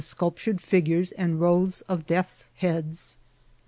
scolptnred figures and rows of death's heads.